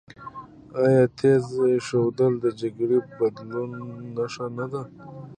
آیا تیږه ایښودل د جګړې د بندولو نښه نه ده؟